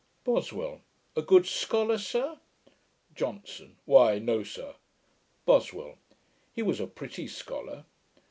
BOSWELL. 'A good scholar, sir?' JOHNSON. 'Why, no, sir.' BOSWELL. 'He was a pretty scholar.'